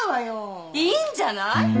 いいんじゃない？